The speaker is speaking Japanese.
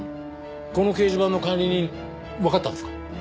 この掲示板の管理人わかったんですか？